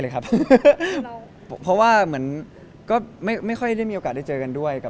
ครับเพราะว่าเหมือนก็ไม่ค่อยได้มีโอกาสได้เจอกันด้วยกับ